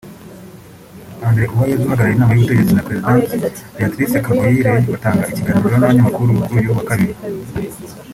André Uwayezu uhagarariye inama y’ubutegetsi na presidente Beatrice Kagoyire batanga ikiganiro n’abanyamakuru kuri uyu wa kabiri